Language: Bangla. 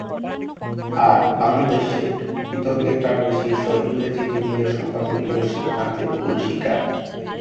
আর, বাংলাদেশের বিতর্কের কারণ শীর্ষ ইংরেজি দৈনিকের সম্পাদকীয় সিদ্ধান্তে ভুল স্বীকার।